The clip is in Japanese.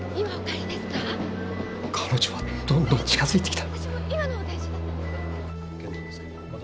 彼女はどんどん近づいてきた。